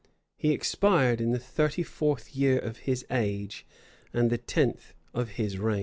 He expired in the thirty fourth year of his age and the tenth of his reign.